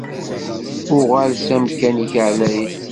Uɣal s amkan-ik ɛlayen.